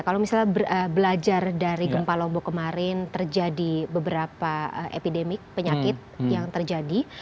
kalau misalnya belajar dari gempa lombok kemarin terjadi beberapa epidemik penyakit yang terjadi